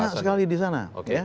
banyak sekali di sana